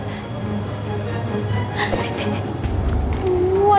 duh anak anak pada ngeliatin kita rin